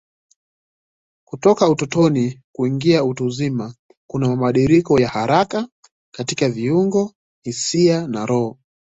Kutoka utotoni kuingia utu uzima kuna mabadiliko ya haraka katika viungo, hisia na roho.